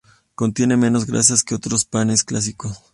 Contiene menos grasas que otros panes clásicos.